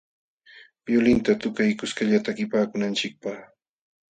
Violinta tukay kuskalla takipaakunanchikpaq.